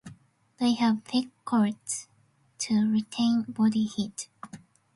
They have thick coats to retain body heat.